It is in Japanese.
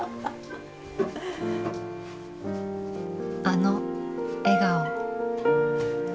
あの笑顔。